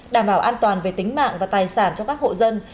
đảm bảo an toàn về tính mạng và tài sản cho các hộ dân